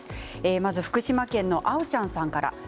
まず、福島県の方からです。